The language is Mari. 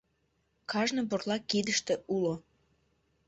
— Кажне бурлак кидыште уло.